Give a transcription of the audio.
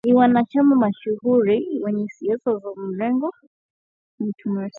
Ni wanachama mashuhuri wenye siasa za mrengo wa kikomunisti